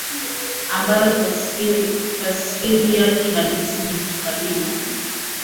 ambayo tafsiri yake halisi ni vikabila